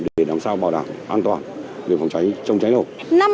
để làm sao bảo đảm an toàn về phòng cháy chống cháy nổ